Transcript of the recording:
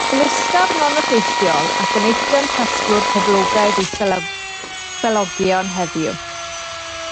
Mae'n ysgafn ond effeithiol, ac yn eitem casglwr poblogaidd i selogion heddiw.